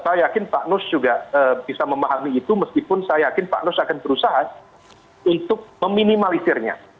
saya yakin pak nus juga bisa memahami itu meskipun saya yakin pak nus akan berusaha untuk meminimalisirnya